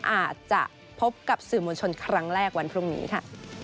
อาจจะพบกับสื่อมวลชนครั้งแรกวันพรุ่งนี้ค่ะ